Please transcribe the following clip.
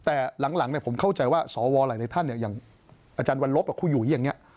แต่หลังเนี่ยผมเข้าใจว่าสวหลายท่านเนี่ยอย่างอาจารย์วันลบกับคู่อยู่อย่างเนี่ย